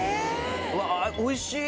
うわおいしい！